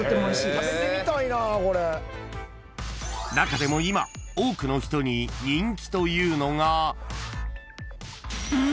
［中でも今多くの人に人気というのが］